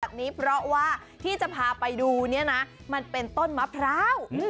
แบบนี้เพราะว่าที่จะพาไปดูเนี่ยนะมันเป็นต้นมะพร้าว